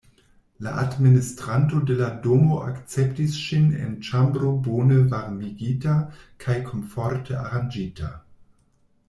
La administranto de la domo akceptis ŝin en ĉambro bone varmigita kaj komforte aranĝita.